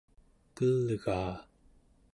kelgaa